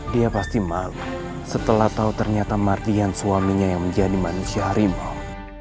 dia pasti malu setelah tahu ternyata mardian suaminya yang menjadi manusia harimau